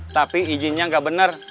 tapi izinnya gak bener